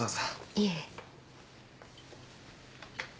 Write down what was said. いえ。